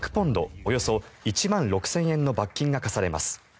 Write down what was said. およそ１万６０００円の罰金が科されます。